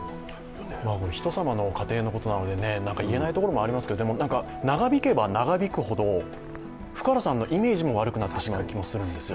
人様の家庭のことなので言えないところもありますけど、長引けば長引くほど福原さんのイメージも悪くなってしまう気がするんですよ。